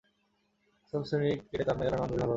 প্রথম-শ্রেণীর ক্রিকেটে তার খেলার মান বেশ ভালোমানের ছিল।